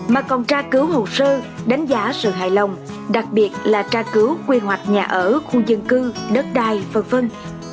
mà còn tra cứu hồ sơ đánh giá sự hài lòng đặc biệt là tra cứu quy hoạch nhà ở khu dân cư đất đai v v